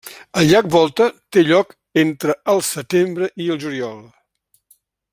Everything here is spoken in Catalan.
Al llac Volta té lloc entre el setembre i el juliol.